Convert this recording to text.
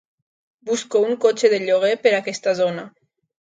Busco un cotxe de lloguer per aquesta zona.